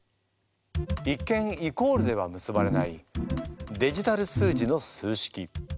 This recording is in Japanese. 一見イコールでは結ばれないデジタル数字の数式。